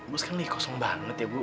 gua sekarang nih kosong banget ya